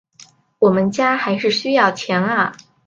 我们家还是需要钱啊